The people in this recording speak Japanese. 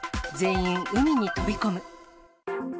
全員、海に飛び込む。